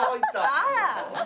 あら！